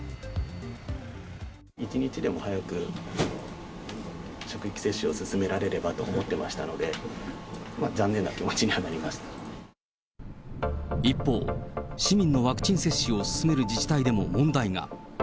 一日でも早く職域接種を進められればと思ってましたので、残一方、市民のワクチン接種を進める自治体でも問題が。